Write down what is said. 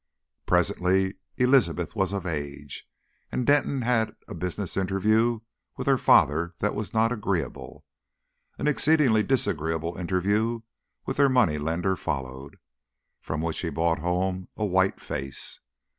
Presently Elizabeth was of age, and Denton had a business interview with her father that was not agreeable. An exceedingly disagreeable interview with their money lender followed, from which he brought home a white face.